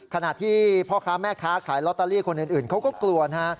ขณะที่พ่อค้าแม่ค้าขายลอตเตอรี่คนอื่นเขาก็กลัวนะฮะ